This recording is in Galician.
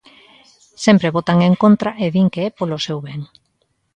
Sempre votan en contra e din que é polo seu ben.